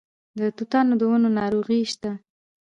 د توتانو د ونو ناروغي شته؟